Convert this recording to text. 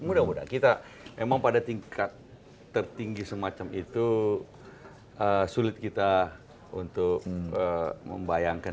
mudah mudahan kita memang pada tingkat tertinggi semacam itu sulit kita untuk membayangkan